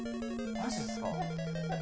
マジですか？